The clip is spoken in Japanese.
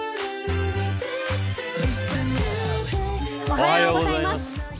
おはようございます。